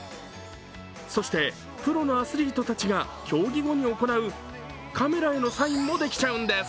そしてプロのアスリートたちが競技後に行うカメラへのサインもできちゃうんです。